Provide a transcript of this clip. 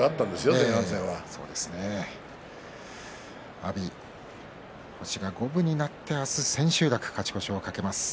阿炎、星が五分になって明日、千秋楽勝ち越しを懸けます。